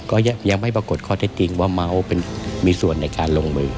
ก็ยังไม่ปรากฏข้อเท็จจริงว่าเมาส์มีส่วนในการลงมือ